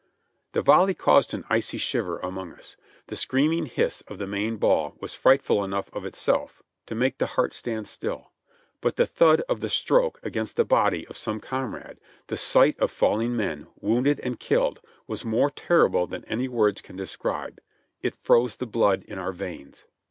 The volley caused an icy shiver amongst us. The screaming hiss of the Minie ball was frightful enough of itself to make the heart stand still, but the thud of the stroke against the body of some comrade, the sight of falling men, wounded and killed, was more terrible than any words can describe ; it froze the blood in our veins.